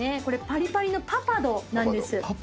これパリパリのパパドなんです。